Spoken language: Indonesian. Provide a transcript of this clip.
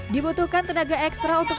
dibutuhkan tenaga ekstra untuk